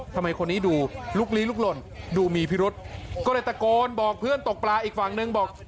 ทำไมคนนี้ดูลุกลี้ลุกหล่นดูมีพิรุษก็เลยตะโกนบอกเพื่อนตกปลาอีกฝั่งนึงบอก